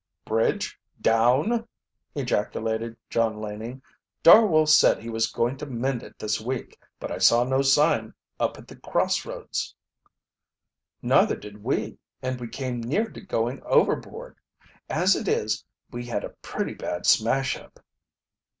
"Bridge down!" ejaculated John Laning. "Darwell said he was going to mend it this week, but I saw no sign up at the cross roads." "Neither did we, and we came near to going overboard. As it is, we had a pretty bad smash up!"